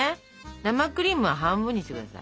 生クリームは半分にしてください。